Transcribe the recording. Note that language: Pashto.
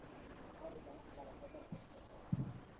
هر ایالت خپله ژبه او کلتور لري.